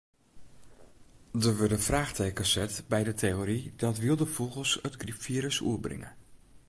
Der wurde fraachtekens set by de teory dat wylde fûgels it grypfirus oerbringe.